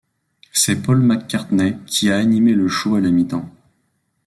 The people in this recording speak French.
C'est Paul McCartney qui a animé le show à la mi-temps.